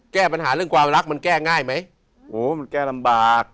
แก้ปัญหาเรื่องความรักมันแก้ง่ายไหมโอ้มันแก้ลำบาก